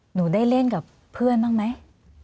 หนูได้เล่นกับเพื่อนบ้างไหม